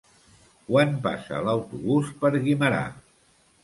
Quan passa l'autobús per Guimerà?